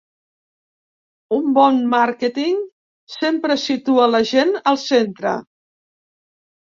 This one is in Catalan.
Un bon màrqueting sempre situa la gent al centre.